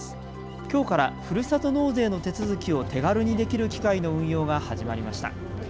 きょうから、ふるさと納税の手続きを手軽にできる機械の運用が始まりました。